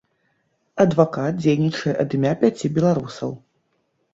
Адвакат дзейнічае ад імя пяці беларусаў.